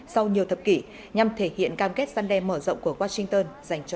sau nhiều thập kỷ nhằm thể hiện cam kết săn đe mở rộng của washington dành cho